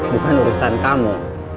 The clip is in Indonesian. bukan urusan kamu